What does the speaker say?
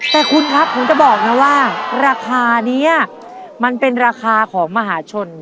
แต่คุณครับผมจะบอกนะว่าราคานี้มันเป็นราคาของมหาชน